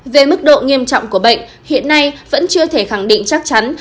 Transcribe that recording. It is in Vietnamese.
về mức độ nghiêm trọng của bệnh hiện nay vẫn chưa thể khẳng định chắc chắn